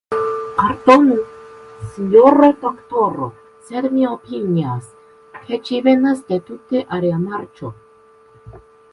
Pardonu, sinjoro doktoro, sed mi opinias, ke ĝi venas de tute alia marĉo.